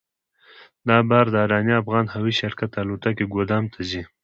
دا بار د اریانا افغان هوایي شرکت الوتکې ګودام ته ځي.